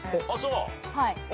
あっそう。